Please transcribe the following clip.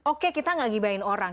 oke kita gak gibahin orang